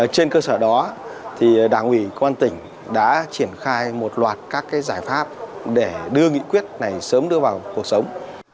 trên cơ sở đó đảng ủy công an tỉnh đã triển khai một loạt các giải pháp để đưa nghị quyết này sớm đưa vào cuộc sống